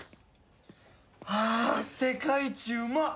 ああ世界一うまっ！